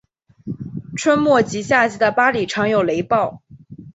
春末及夏季的巴里常有雷暴。